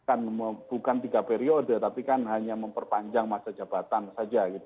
kan bukan tiga periode tapi kan hanya memperpanjang masa jabatan saja gitu